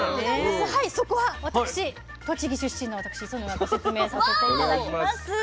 そこは私栃木出身の私礒野がご説明させて頂きます。